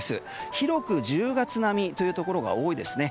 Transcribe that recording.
広く１０月並みというところが多いですね。